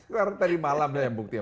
sekarang tadi malam aja yang buktinya